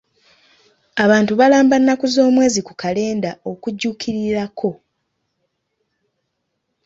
Abantu balamba nnaku z'omwezi ku kalenda okujjukirirako.